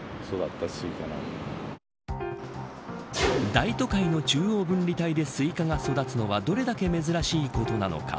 大都会の中央分離帯でスイカが育つのはどれだけ珍しいことなのか。